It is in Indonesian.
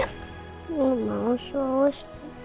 gak mau sus